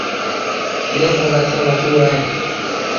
ٻيٚن با مڇيٚن مشهور اهيݩ ۔